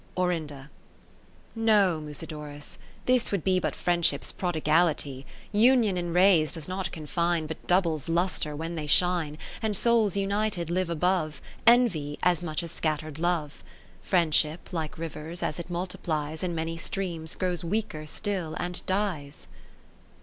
Orinda No, Musidorus, this would be But Friendship's prodigality ; Union in rays does not confine, But doubles lustre when they shine, And souls united live above ii Envy, as much as scatter'd Love. PViendship (like rivers) as it multiplies In many streams, grows weaker still and dies.